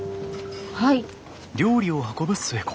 はい。